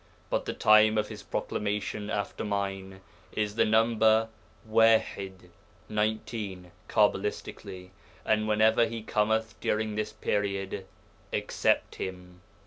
But the time of his proclamation after mine is the number Waḥid (=19, cabbalistically), and whenever he cometh during this period, accept him.'